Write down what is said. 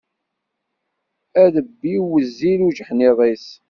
Adebbiw wezzil ujeḥniḍ-is.